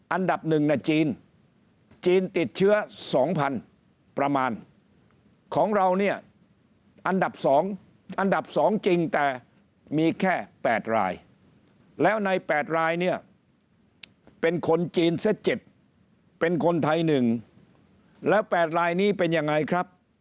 อันดับหนึ่งจีนจีนติดเชื้อ๒๐๐๐ประมาณของเราเนี่ยอันดับ๒อันดับ๒จริงแต่มีแค่๘รายแล้วใน๘รายเนี่ยเป็นคนจีนเสีย๗เป็นคนไทย๑แล้ว๘รายนี้เป็นยังไงครับ